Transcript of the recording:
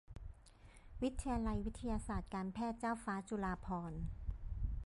วิทยาลัยวิทยาศาสตร์การแพทย์เจ้าฟ้าจุฬาภรณ์